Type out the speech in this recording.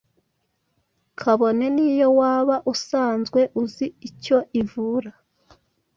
kabone n’iyo waba usanzwe uzi icyo ivura